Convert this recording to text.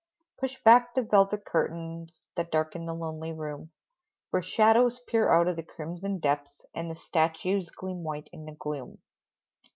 Push back the velvet curtains That darken the lonely room, For shadows peer out of the crimson depths, And the statues gleam white in the gloom.